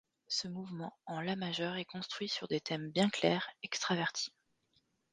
Ce mouvement en la majeur est construit sur des thèmes bien clairs, extravertis.